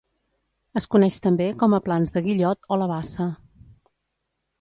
Es coneix també com a Plans de Guillot o la Bassa.